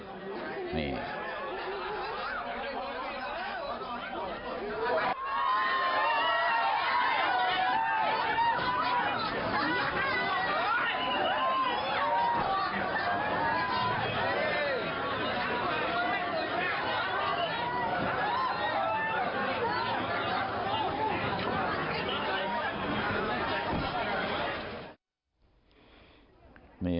พ่อชาวบ้านตะโกนด่าสัตว์แช่งกันเลย